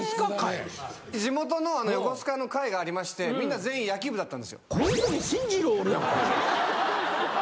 地元の横須賀の会がありましてみんな全員野球部だったんですよ。